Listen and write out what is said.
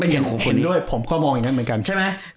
เห็นด้วยผมก็มองอย่างนั้นเหมือนกัน